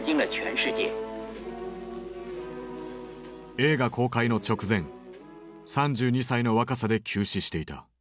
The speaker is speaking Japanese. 映画公開の直前３２歳の若さで急死していた。